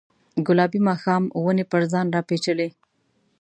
ګلابي ماښام ونې پر ځان راپیچلې